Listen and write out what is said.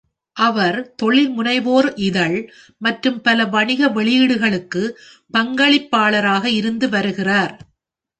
அவர் "தொழில்முனைவோர் இதழ்" மற்றும் பல வணிக வெளியீடுகளுக்கு பங்களிப்பாளராக இருந்து வருகிறார்.